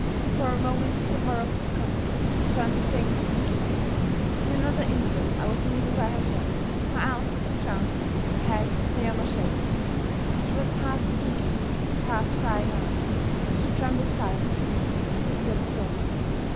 For a moment the horror of the discovery turned me faint and giddy. In another instant I was kneeling by her chair. My arm was round her her head lay on my shoulder. She was past speaking, past crying out: she trembled silently, and that was all.